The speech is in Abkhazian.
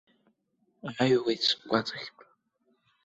Ааҩуеит сгәаҵахьтә.